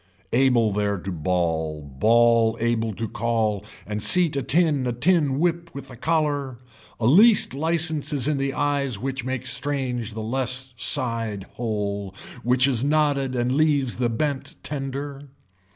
Able there to ball bawl able to call and seat a tin a tin whip with a collar. The least license is in the eyes which make strange the less sighed hole which is nodded and leaves the bent tender.